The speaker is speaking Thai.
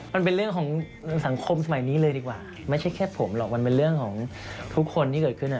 มันเป็นเรื่องของสังคมสมัยนี้เลยดีกว่าไม่ใช่แค่ผมหรอกมันเป็นเรื่องของทุกคนที่เกิดขึ้น